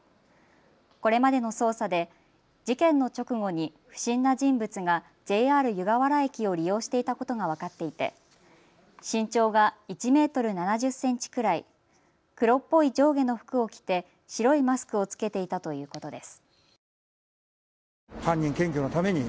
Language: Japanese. これまでの捜査で事件の直後に不審な人物がＪＲ湯河原駅を利用していたことが分かっていて身長が１メートル７０センチくらい、黒っぽい上下の服を着て白いマスクを着けていたということです。